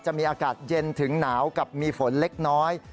จะมีอากาศเย็นถึงหนาวกับมีฝนเล็กน้อย